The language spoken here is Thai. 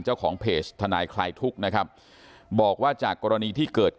เจ้าของเพจทนายคลายทุกข์นะครับบอกว่าจากกรณีที่เกิด